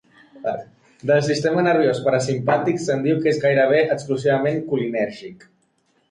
Del sistema nerviós parasimpàtic se'n diu que és gairebé exclusivament colinèrgic.